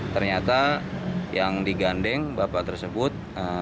ternyata yang digandeng bapak tersebut